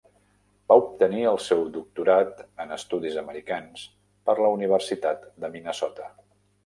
Va obtenir el seu doctorat en Estudis Americans per la Universitat de Minnesota.